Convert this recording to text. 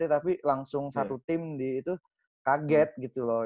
tapi langsung satu tim itu kaget gitu loh